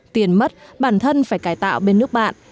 tiền mất bản thân phải cải tạo bên nước bạn